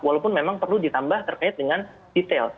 walaupun memang perlu ditambah terkait dengan detail